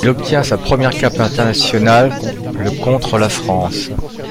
Il obtient sa première cape internationale le contre la France.